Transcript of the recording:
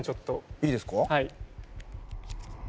いいですか？